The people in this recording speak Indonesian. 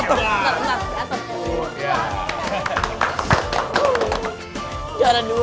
biar di jatuh